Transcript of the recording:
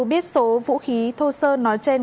biết số vũ khí thô sơ nói trên